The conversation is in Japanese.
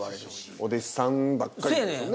お弟子さんばっかりですよね。